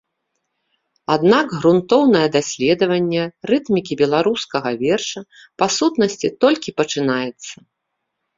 Аднак грунтоўнае даследаванне рытмікі беларускага верша па сутнасці толькі пачынаецца.